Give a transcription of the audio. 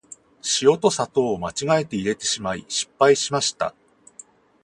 塩と砂糖を間違えて入れてしまい、失敗しました。